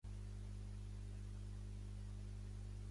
Quant a l'accentuació, el sona no presenta accent fix, sinó prosòdic.